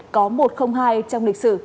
có một trăm linh hai trong lịch sử